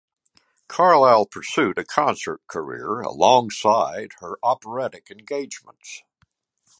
Carlyle pursued a concert career alongside her operatic engagements.